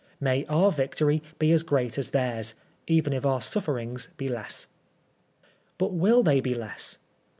May our victory be as great as theirs, even if our sufferings be less. " But will they be less?